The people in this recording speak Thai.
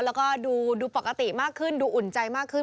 แล้วก็ดูปกติมากขึ้นดูอุ่นใจมากขึ้น